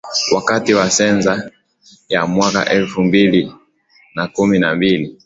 wakati wa sensa ya mwaka elfu mbili na kumi na mbili